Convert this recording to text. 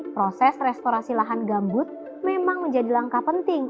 proses restorasi lahan gambut memang menjadi langkah penting